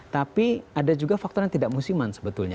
tapi ada juga faktor yang tidak musiman sebetulnya